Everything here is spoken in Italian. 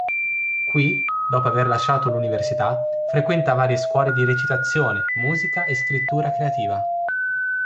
Qui, dopo aver lasciato l'Università, frequenta varie scuole di recitazione, musica e scrittura creativa.